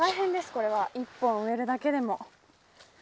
これは１本増えるだけでも。